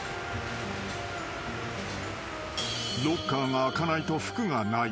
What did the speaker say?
［ロッカーが開かないと服がない］